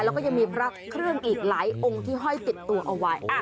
แล้วก็ยังมีพระเครื่องอีกหลายองค์ที่ห้อยติดตัวเอาไว้